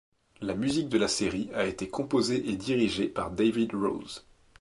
La musique de la série a été composée et dirigée par David Rose.